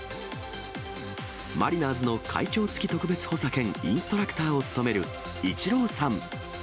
マリナーズの会長付特別補佐兼インストラクターを務めるイチローさん。